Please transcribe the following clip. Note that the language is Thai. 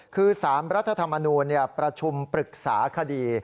คือ๓รัฐธรรมนูญประชุมปรึกษาคดี